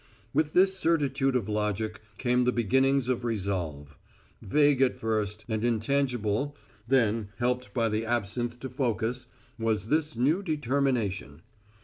With this certitude of logic came the beginnings of resolve. Vague at first and intangible, then, helped by the absinth to focus, was this new determination.